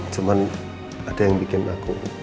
cuman ada yang bikin aku